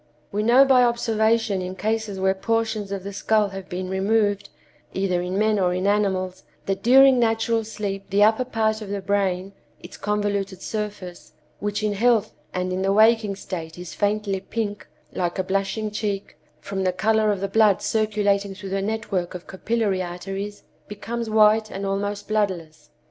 "We know by observation in cases where portions of the skull have been removed, either in men or in animals, that during natural sleep the upper part of the brain—its convoluted surface, which in health and in the waking state is faintly pink, like a blushing cheek, from the color of the blood circulating through the network of capillary arteries—becomes white and almost bloodless.